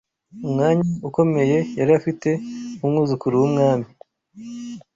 umwanya ukomeye yari afite nk’umwuzukuru w’umwami